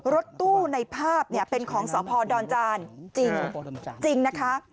รถตู้ในภาพเป็นของสภดอนจานจริงนะคะ